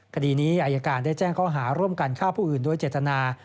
คดีนี้อายการได้แจ้งข้อหาร่วมกันฆ่าผู้อื่นโดยเจตนา